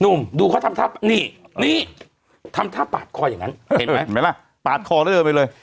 หนุ่มดูเขาทำท่านี่นนี่ทำท่าปาดคออย่างนั้นไม่นะปาดคอเรื่อยเลย